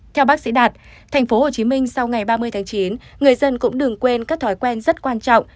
theo bác sĩ đạt tp hcm sau ngày ba mươi tháng chín người dân cũng đừng quên các thói quen rất quan trọng